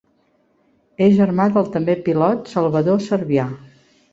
És germà del també pilot Salvador Servià.